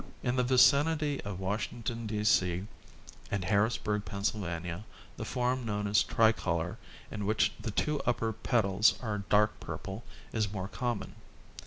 In the vicinity of Washington, D. C, and Harrisburg, Pennsylvania, the form known as hicolor, in which the two upper petals are dark purple, is more common.